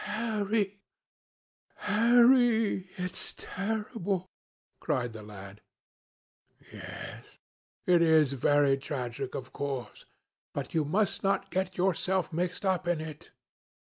"Harry, Harry, it is terrible!" cried the lad. "Yes; it is very tragic, of course, but you must not get yourself mixed up in it.